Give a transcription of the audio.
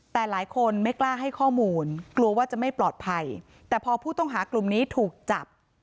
แต่หลายคนไม่กล้าให้ข้อมูลกลัวว่าจะไม่ปลอดภัยแต่พอผู้ต้องหากลุ่มนี้ถูกจับ